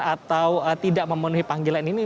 atau tidak memenuhi panggilan ini